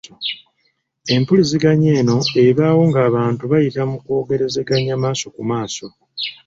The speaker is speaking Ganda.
Empuliziganya eno ebaawo ng’abantu bayita mu kwogereganya maaso ku maaso.